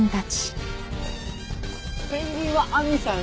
ペンギンは亜美さん